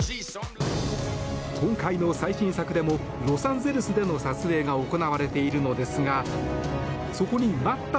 今回の最新作でもロサンゼルスでの撮影が行われているのですがそこに待った！